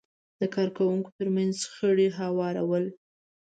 د کار کوونکو ترمنځ شخړې هوارول،